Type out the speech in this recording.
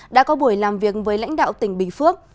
đã có buổi làm việc với lãnh đạo tỉnh bình phước